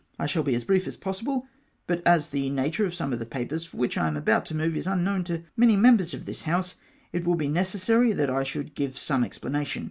"' I shall be as brief as possible, but as the nature of some of the papers for which I am about to move is unknown to many members of this House, it Avill be necessary that I should give some explanation.